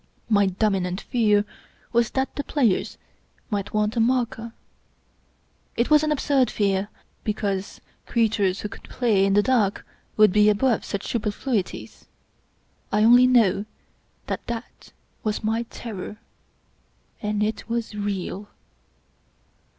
My dominant fear was that the players might want a marker. It was an absurd fear; because creatures who could play in the dark would be above such superfluities. I only know that that was my terror; and it was real.